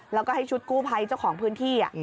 แล้วก็ให้ชุดกู้ภัยเจ้าของพื้นที่